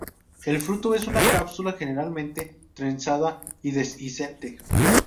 El fruto es una cápsula, generalmente trenzada y dehiscente.